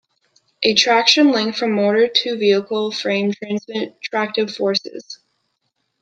A traction link from motor to the vehicle frame transmits tractive forces.